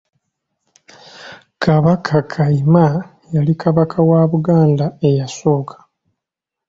Kabaka Kayima yali Kabaka w Buganda eyasooka.